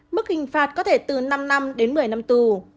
mức hình phạt có thể từ năm năm đến một mươi năm tù